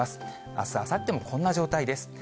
あす、あさってもこんな状態です。